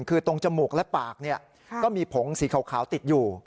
คือตรงจมูกและปากก็มีผงสีขาวติดอยู่